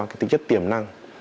cái tính chất tiềm năng